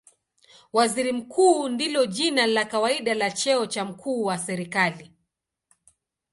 Waziri Mkuu ndilo jina la kawaida la cheo cha mkuu wa serikali.